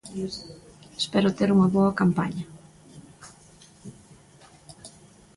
Espero ter unha boa campaña.